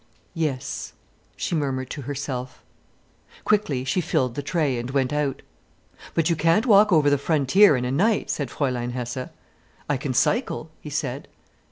"Yes," she murmured to herself. Quickly she filled the tray, and went out. "But you can't walk over the frontier in a night," said Fräulein Hesse. "I can cycle," he said.